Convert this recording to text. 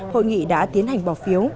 hội nghị đã tiến hành bỏ phiếu